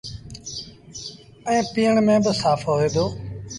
ائيٚݩ پيٚئڻ ميݩ با سآڦ هوئي دو۔